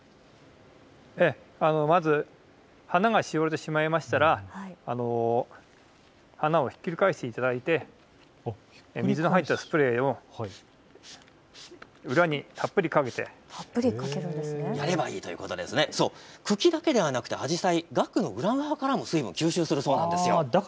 まず花がしおれてしまいましたら花をひっくり返していただいて水の入ったスプレーを裏にたっぷりかけて、茎だけではなくてアジサイはがくの裏側からも水分を吸収するそうです。